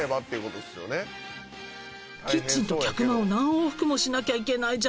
キッチンと客間を何往復もしなきゃいけないじゃない。